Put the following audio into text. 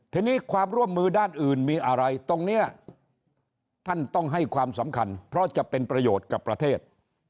ทีนี้ความร่วมมือด้านอื่นมีอะไรตรงนี้ท่านต้องให้ความสำคัญเพราะจะเป็นประโยชน์กับประเทศ